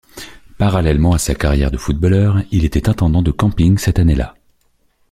Parallèlement à sa carrière de footballeur, il était intendant de camping cette année-là.